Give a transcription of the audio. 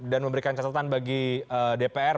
dan memberikan catatan bagi dpr